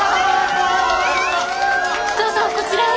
どうぞこちらへ！